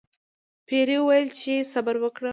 پیري وویل چې صبر وکړه.